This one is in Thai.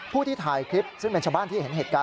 ที่ถ่ายคลิปซึ่งเป็นชาวบ้านที่เห็นเหตุการณ์